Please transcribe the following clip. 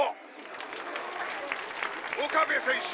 岡部選手